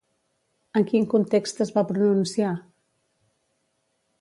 En quin context es va pronunciar?